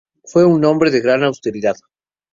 Fue un hombre de gran austeridad.